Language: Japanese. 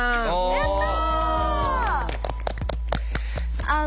やった！